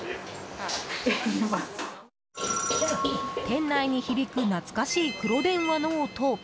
店内に響く懐かしい黒電話の音。